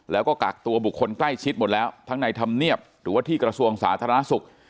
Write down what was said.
แล้วก็กากตัวบุคคลใกล้ชิดหมดแล้วทั้งในธรรมเนียบหรือว่าที่กระทรวงสาธารณสุข